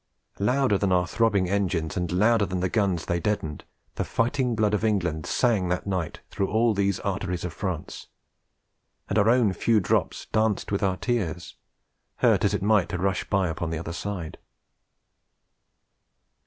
Louder than our throbbing engines, and louder than the guns they deadened, the fighting blood of England sang that night through all these arteries of France; and our own few drops danced with our tears, hurt as it might to rush by upon the other side.